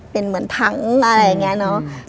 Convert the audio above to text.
เป็นเหมือนทั้งอะไรอย่างนี้เนอะ